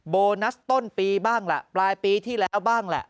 โบนัสต้นปีบ้างแหละปลายปีที่แล้วบ้างแหละ